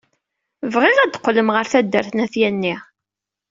Bɣiɣ ad teqqlem ɣer taddart n At Yanni.